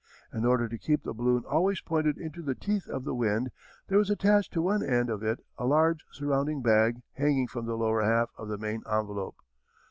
In order to keep the balloon always pointed into the teeth of the wind there is attached to one end of it a large surrounding bag hanging from the lower half of the main envelope.